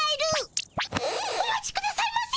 お待ちくださいませ。